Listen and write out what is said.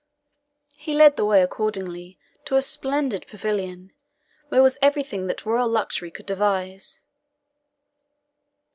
He led the way accordingly to a splendid pavilion, where was everything that royal luxury could devise.